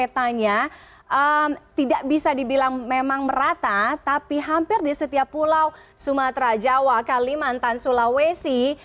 kita lihat di petanya tidak bisa dibilang memang merata tapi hampir di setiap pulau sumatera jawa kalimantan sulawesi